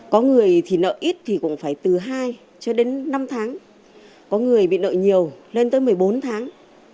có người thì nợ ít thì cũng phải từ hai cho đến năm tháng có người bị nợ nhiều lên tới một mươi bốn tháng